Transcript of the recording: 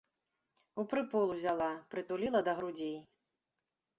У прыпол узяла, прытуліла да грудзей.